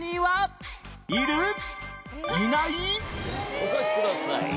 お書きください。